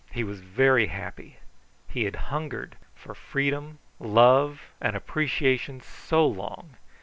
He was very happy. He had hungered for freedom, love, and appreciation so long!